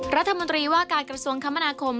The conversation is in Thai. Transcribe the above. รัฐมนตรีว่าการกระทรวงคมนาคม